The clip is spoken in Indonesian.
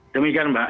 ya kan mbak